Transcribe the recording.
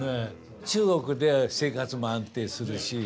中国で生活も安定するし。